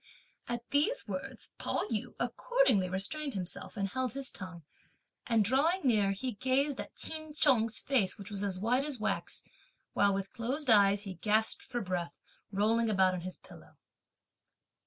At these words, Pao yü accordingly restrained himself, and held his tongue; and drawing near, he gazed at Ch'in Chung's face, which was as white as wax, while with closed eyes, he gasped for breath, rolling about on his pillow.